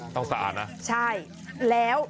ต้องสะอาดนะใช่แล้ว